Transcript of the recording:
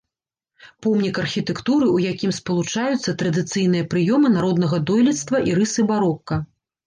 Помнік архітэктуры, у якім спалучаюцца традыцыйныя прыёмы народнага дойлідства і рысы барока.